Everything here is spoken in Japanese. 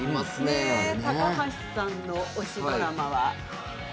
高橋さんの推しドラマは？